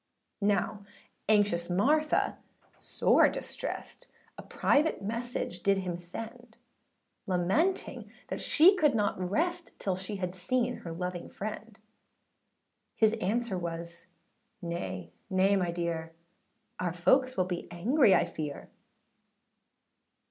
Now anxious Martha sore distressed, A private message did him send, Lamenting that she could not rest, Till she had seen her loving friend: His answer was, âNay, nay, my dear, Our folks will angry be I fear.